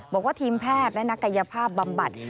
บอกว่าทีมแพทย์และนักกายภาพบำบัด